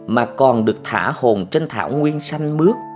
mà còn được thả hồn trên thảo nguyên xanh mướt